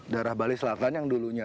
daerah bali selatan yang dulunya